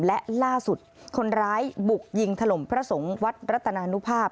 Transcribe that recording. และล่าสุดคนร้ายบุกยิงถล่มพระสงฆ์วัดรัตนานุภาพ